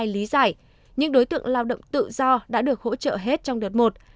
lý giải những đối tượng lao động tự do đã được hỗ trợ hết trong đợt một